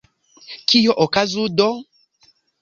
Kio okazu do?